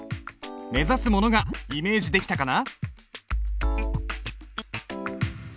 目指すものがイメージできたかな？